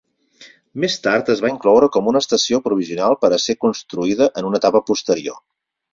Més tard es va incloure com una estació provisional per a ser construïda en una etapa posterior.